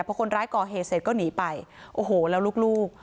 พอคนร้ายก่อเหตุเสร็จก็หนีไปโอ้โหแล้วลูก